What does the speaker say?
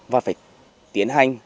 và phải tiến hành